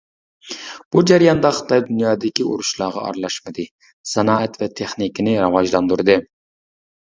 بۇ جەرياندا، خىتاي دۇنيادىكى ئۇرۇشلارغا ئارىلاشمىدى، سانائەت ۋە تېخنىكىنى راۋاجلاندۇردى.